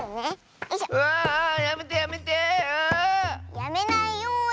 やめないよだ。